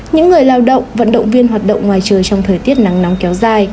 những người lao động vận động viên hoạt động ngoài trời trong thời tiết nắng nóng kéo dài